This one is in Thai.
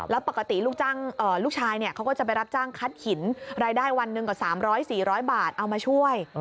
แล้วปกติลูกชายเขาก็จะไปรับจ้างคัดหินรายได้วันหนึ่งกว่า๓๐๐๔๐๐บาทเอามาช่วย